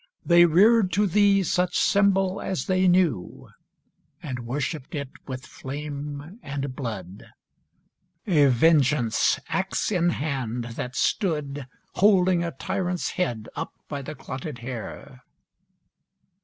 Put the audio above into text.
They reared to thee such symbol as they knew, And worshipped it with flame and blood, A Vengeance, axe in hand, that stood Holding a tyrant's head up by the clotted hair.